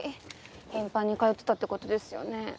頻繁に通ってたってことですよね。